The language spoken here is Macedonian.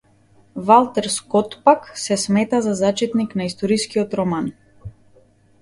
Валтер Скот, пак, се смета за зачетник на историскиот роман.